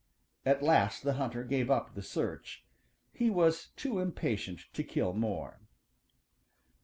At last the hunter gave up the search. He was too impatient to kill more.